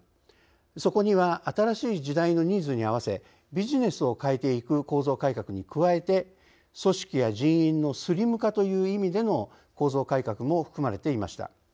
そこには新しい時代のニーズにあわせビジネスを変えていく構造改革に加えて組織や人員のスリム化という意味での構造改革も含まれていました。